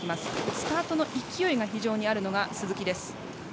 スタートの勢いが非常にあるのが鈴木です。